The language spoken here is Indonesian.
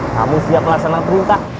kamu siap pelaksanaan perintah